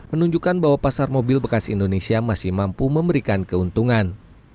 menunjukkan bahwa pasar mobil bekas indonesia masih mampu memberikan keuntungan